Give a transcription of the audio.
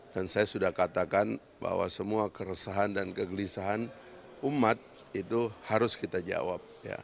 dan saya sudah katakan bahwa semua keresahan dan kegelisahan umat itu harus kita jawab